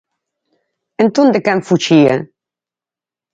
Entón, ¿de quen fuxía?